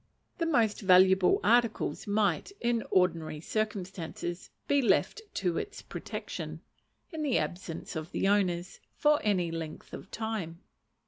The most valuable articles might, in ordinary circumstances, be left to its protection, in the absence of the owners, for any length of time.